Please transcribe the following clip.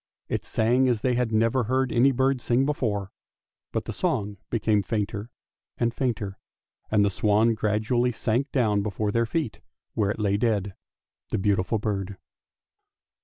It sang as they had never heard any bird sing before; but the song became fainter and fainter, and the swan gradually sank down before their feet, where it lay dead — the beautiful bird.